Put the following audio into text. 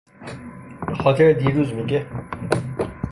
به خاطر دیروز می گه